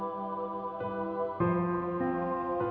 gak ada yang bisa dihukum